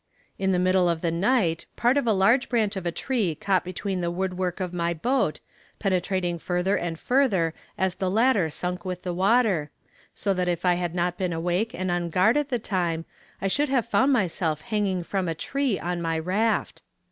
In the middle of the night, part of a large branch of a tree caught between the woodwork of my boat, penetrating further and further as the latter sunk with the water, so that if I had not been awake and on guard at the time, I should have found myself hanging from a tree, on my raft.